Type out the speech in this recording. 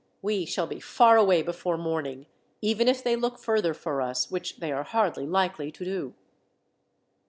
We shall be far away before morning, even if they look further for us, which they are hardly likely to do."